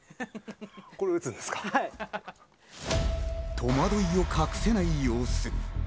戸惑いを隠せない様子。